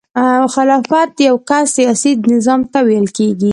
خلافت یو ځانګړي سیاسي نظام ته ویل کیږي.